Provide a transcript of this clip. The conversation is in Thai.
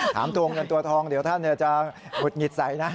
ตัวเงินตัวทองเดี๋ยวท่านจะหงุดหงิดใสนะ